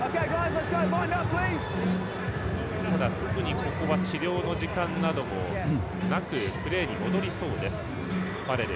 特にここは治療の時間などもなくプレーに戻りそうです、ファレル。